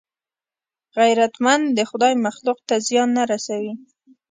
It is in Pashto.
غیرتمند د خدای مخلوق ته زیان نه رسوي